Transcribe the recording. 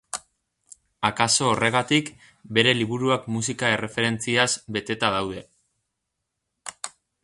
Akaso horregatik, bere liburuak musika erreferentziaz beteta daude.